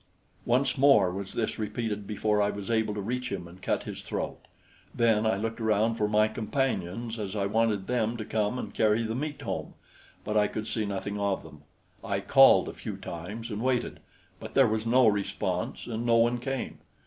Once more was this repeated before I was able to reach him and cut his throat; then I looked around for my companions, as I wanted them to come and carry the meat home; but I could see nothing of them. I called a few times and waited, but there was no response and no one came.